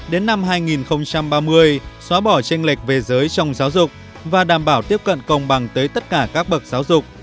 đến năm hai nghìn ba mươi xóa bỏ tranh lệch về giới trong giáo dục và đảm bảo tiếp cận công bằng tới tất cả các bậc giáo dục